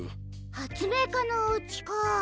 はつめいかのおうちか。